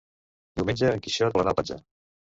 Diumenge en Quixot vol anar a la platja.